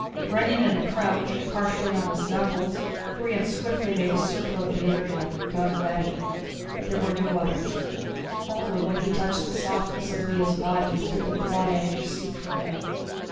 Running in a crouch, partially on his knuckles, Brion swiftly made a circle of the area, gun ready. There were no others. Only when he touched the softness of Lea's body did the blood anger seep from him.